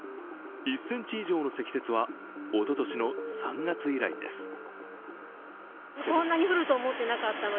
１ｃｍ以上の積雪はおととしの３月以来です。